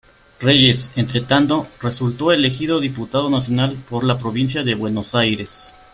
Reyes, entretanto, resultó elegido diputado nacional por la Provincia de Buenos Aires.